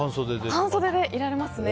半袖でいられますね。